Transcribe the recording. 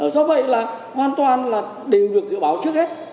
do vậy là hoàn toàn là đều được dự báo trước hết